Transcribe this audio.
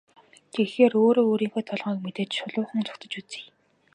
Тэгэхээр өөрөө өөрийнхөө толгойг мэдээд шулуухан зугтаж үзье.